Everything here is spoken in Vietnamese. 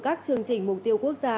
các chương trình mục tiêu quốc gia